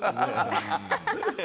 ハハハハ！